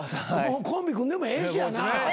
コンビ組んでもええしやな。